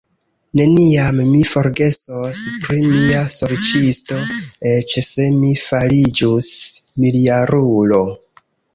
Neniam mi forgesos pri mia sorĉisto, eĉ se mi fariĝus miljarulo.